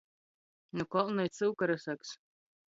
Nu kolna i cyuka rysaks!